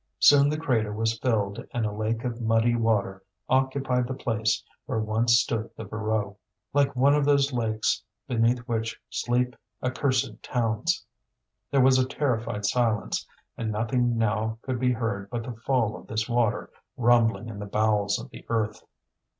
Soon the crater was filled and a lake of muddy water occupied the place where once stood the Voreux, like one of those lakes beneath which sleep accursed towns. There was a terrified silence, and nothing now could be heard but the fall of this water rumbling in the bowels of the earth.